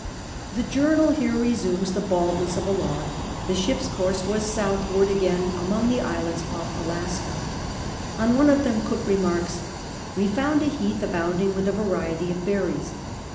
The journal hero resumes the baldness of a log ; the ship's course was soutlnvard again among the islands off Alaska. On one of them Cook lemarks :" We found a heath abounding with a variety of berries."